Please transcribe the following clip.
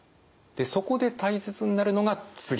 そこで大切になるのが次。